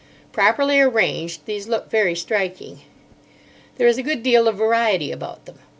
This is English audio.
Properly arranged, these look very striking. There is a good deal of variety about them.